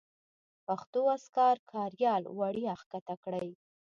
پښتو اذکار کاریال وړیا کښته کړئ.